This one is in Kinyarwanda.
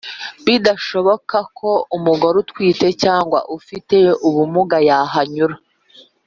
bidashoboka ko umugore utwite cyangwa ufite ubumuga yahanyura